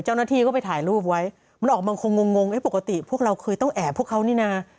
เจ้าหน้าที่ก็ไปถ่ายรูปไว้มันออกมาคงงงปกติพวกเราเคยต้องแอบพวกเขานี่นะ